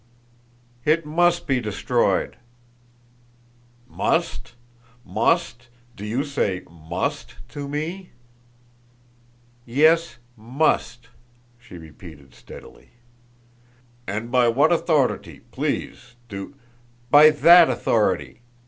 "It must be destroyed." "Must? Must? Do you say must to me?" "Yes, must," she repeated steadily. "And by what authority, please, do " "By that authority!"